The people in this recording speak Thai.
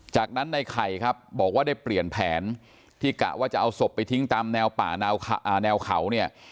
จากนั้นในไข่ครับบอกว่าได้เปลี่ยนแผนที่กะว่าจะเอาศพไปทิ้งตามแนวป่าแนวเขาเนี่ย